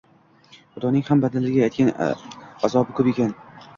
Xudoning ham bandalariga atagan azobi ko‘p ekan.